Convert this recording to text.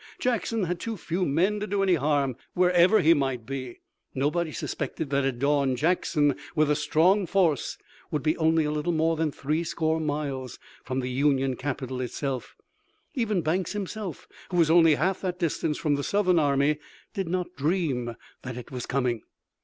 Jackson had too few men to do any harm, wherever he might be. Nobody suspected that at dawn Jackson, with a strong force, would be only a little more than three score miles from the Union capital itself. Even Banks himself, who was only half that distance from the Southern army, did not dream that it was coming.